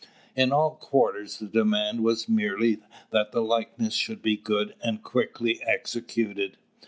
In all quarters, the demand was merely that the likeness should be good and quickly executed.